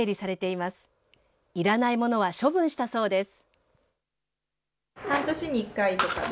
いらないものは処分したそうです。